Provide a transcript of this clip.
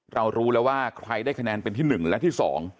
เรารู้แล้วว่าใครได้คะแนนเป็นที่๑และที่๒